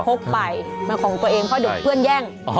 กไปเป็นของตัวเองเพราะเดี๋ยวเพื่อนแย่ง